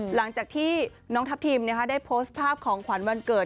หลังจากที่น้องทัพทิมได้โพสต์ภาพของขวัญวันเกิด